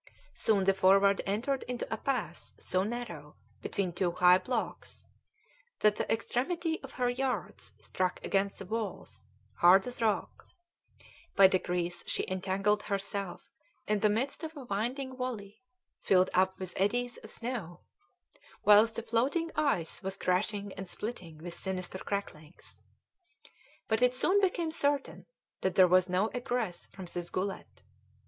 Soon the Forward entered into a pass so narrow, between two high blocks, that the extremity of her yards struck against the walls, hard as rock; by degrees she entangled herself in the midst of a winding valley, filled up with eddies of snow, whilst the floating ice was crashing and splitting with sinister cracklings. But it soon became certain that there was no egress from this gullet.